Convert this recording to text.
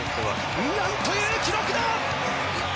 なんという記録だ！